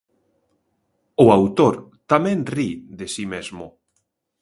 O autor tamén ri de si mesmo.